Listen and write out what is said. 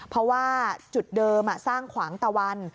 เพราะว่าจุดเดิมสร้างขวางตะวัน